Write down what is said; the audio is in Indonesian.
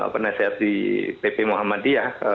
penasehat di pp muhammadiyah